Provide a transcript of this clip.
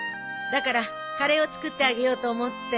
だからカレーを作ってあげようと思って。